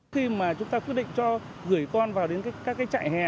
khi mà chúng ta quyết định cho gửi con vào đến các cái chạy hè